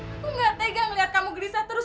aku gak tega melihat kamu gelisah terus